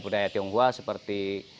budaya tionghoa seperti